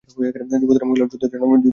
যুবতী মহিলারাও যুদ্ধের জন্য প্রস্তুত হয়।